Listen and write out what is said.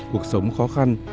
cuộc sống khó khăn